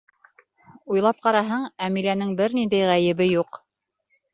Уйлап ҡараһаң, Әмиләнең бер ниндәй ғәйебе юҡ.